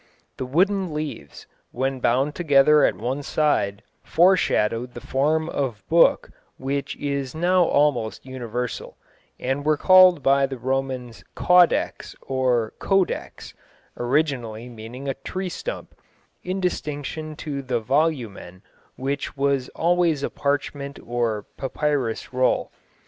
The wooden leaves, when bound together at one side, foreshadowed the form of book which is now almost universal, and were called by the Romans caudex, or codex (originally meaning a tree stump), in distinction to the volumen, which was always a parchment or papyrus roll.